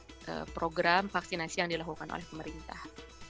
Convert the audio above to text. jadi ini adalah program vaksinasi yang dilakukan oleh pemerintah